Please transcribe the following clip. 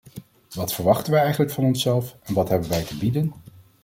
Wat verwachten wij eigenlijk van onszelf en wat hebben wij te bieden?